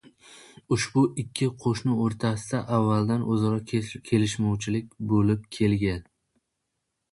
Ushbu ikki qo‘shni o‘rtasida avvaldan o‘zaro kelishmovchilik bo‘lib kelgan